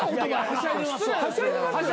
はしゃいでますよね？